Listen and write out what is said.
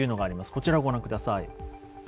こちらをご覧下さい。